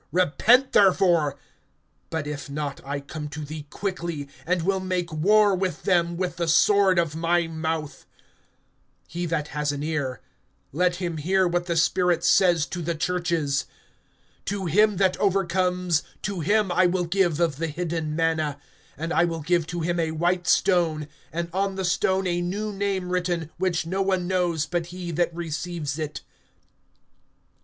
(16)Repent therefore; but if not, I come to thee quickly, and will make war with them, with the sword of my mouth. (17)He that has an ear, let him hear what the Spirit says to the churches. To him that overcomes, to him I will give of the hidden manna; and I will give to him a white stone, and on the stone a new name written, which no one knows but he that receives it.